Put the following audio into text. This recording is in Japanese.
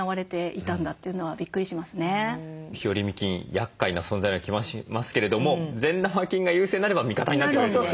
やっかいな存在のような気もしますけれども善玉菌が優勢になれば味方になってくれるというね。